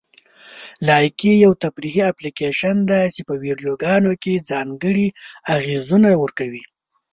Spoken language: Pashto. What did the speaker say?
لایکي یو تفریحي اپلیکیشن دی چې په ویډیوګانو کې ځانګړي اغېزونه ورکوي.